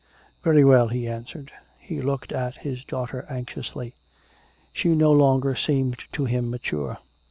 "Very well," he answered. He looked at his daughter anxiously. She no longer seemed to him mature.